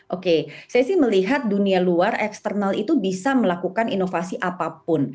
oke saya sih melihat dunia luar eksternal itu bisa melakukan inovasi apapun